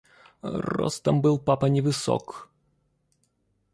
Ростом был папа невысок.